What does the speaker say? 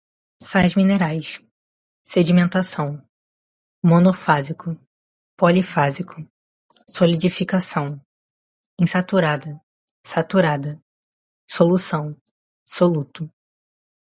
sais minerais, sedimentação, monofásico, polifásico, solidificação, insaturada, saturada, solução, soluto